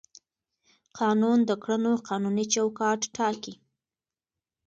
قانون د کړنو قانوني چوکاټ ټاکي.